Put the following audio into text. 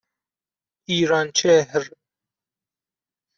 ایرانچهر